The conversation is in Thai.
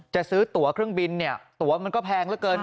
จะซื้อตัวเครื่องบินเนี่ยตัวมันก็แพงเหลือเกิน